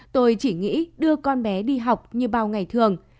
tôi chỉ nghĩ đưa con bé đi học như bao ngày thường